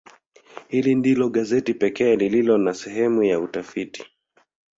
Hili ndilo gazeti pekee lililo na sehemu ya utafiti.